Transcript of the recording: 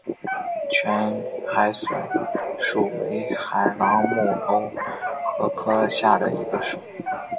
全海笋属为海螂目鸥蛤科下的一个属。